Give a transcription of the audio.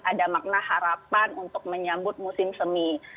ada makna harapan untuk menyambut musim semi